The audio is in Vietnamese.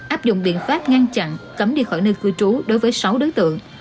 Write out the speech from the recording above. áp dụng biện pháp ngăn chặn cấm đi khỏi nơi cư trú đối với sáu đối tượng